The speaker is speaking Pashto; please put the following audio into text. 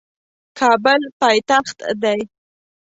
کابل پایتخت دی